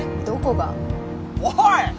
どこが？おい。